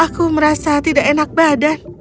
aku merasa tidak enak badan